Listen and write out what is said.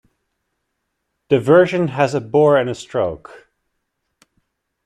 The version has a bore and a stroke.